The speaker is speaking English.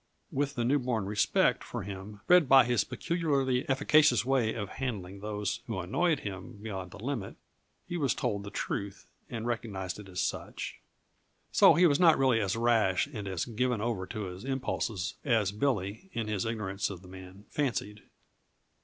With the new born respect for him bred by his peculiarly efficacious way of handling those who annoyed him beyond the limit, he was told the truth and recognized it as such. So he was not really as rash and as given over to his impulses as Billy, in his ignorance of the man, fancied.